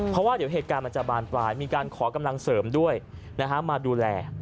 เพราะว่าเดี๋ยวเหตุการณ์มันจะบานปลายมีการขอกำลังเสริมด้วยมาดูแล